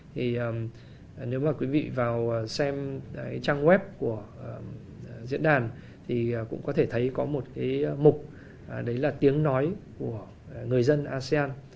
thì nếu mà quý vị vào xem cái trang web của diễn đàn thì cũng có thể thấy có một cái mục đấy là tiếng nói của người dân asean